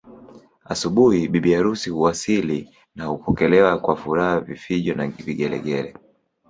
Asubuhi bibi harusi huwasili na kupokelewa kwa furaha vifijo na vigelegele